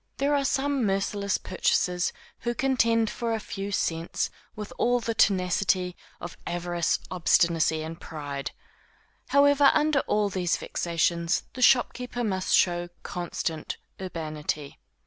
There are some merciless purchasers who contend for a few cents with all the tenacity of avarice, obstinacy and pride; however, under all these vexations, the shopkeeper must show constant urbanity.